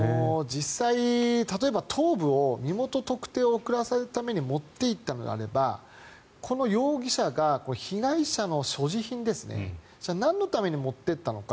実際、例えば、頭部を身元特定を遅らせるために持って行ったのであればこの容疑者が被害者の所持品ですねじゃあ、なんのために持っていったのか。